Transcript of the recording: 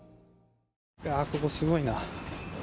ここ、すごいな。